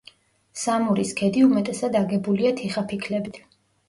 სამურის ქედი უმეტესად აგებულია თიხაფიქლებით.